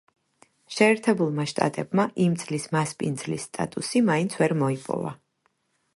შეერთებულმა შტატებმა იმ წლის მასპინძლის სტატუსი მაინც ვერ მოიპოვა.